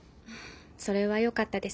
それはよかったです。